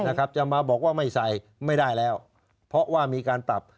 นะครับจะมาบอกว่าไม่ใส่ไม่ได้แล้วเพราะว่ามีการปรับ